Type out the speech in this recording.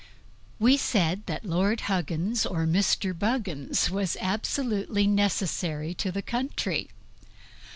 We said that Lord Huggins or Mr. Buggins was absolutely necessary to the country.